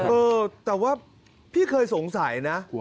เออแต่ว่าพี่เคยสงสัยนะ